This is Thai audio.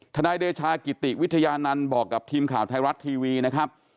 นายเดชากิติวิทยานันต์บอกกับทีมข่าวไทยรัฐทีวีนะครับ